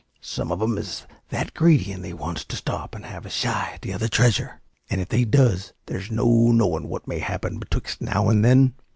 Some of 'em is that greedy that they wants to stop and have a shy at the other treasure; and if they does, there's no knowin' what may happen betwixt now and then.